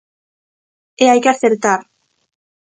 E hai que acertar.